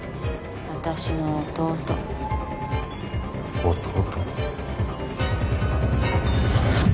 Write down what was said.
私の弟弟？